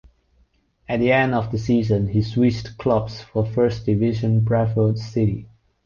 At the end of the season he switched clubs for First Division Bradford City.